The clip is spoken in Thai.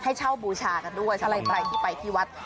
ให้เช่าบูชากันด้วยสำหรับใครที่ไปที่วัด